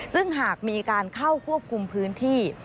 ซึ่งหากมีการเข้าควบคุมพื้นที่